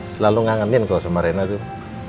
selalu ngangetin kok sama rina tuh